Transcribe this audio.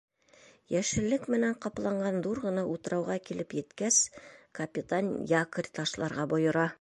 Йәшеллек менән ҡапланған ҙур ғына утрауға килеп еткәс, капитан якорь ташларға бойора.